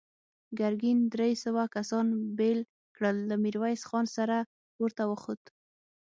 ګرګين درې سوه کسان بېل کړل، له ميرويس خان سره پورته وخوت.